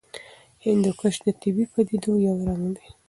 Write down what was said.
هندوکش د طبیعي پدیدو یو رنګ دی.